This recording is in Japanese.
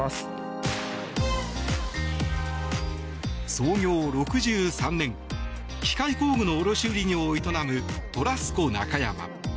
創業６３年、機械工具の卸売業を営むトラスコ中山。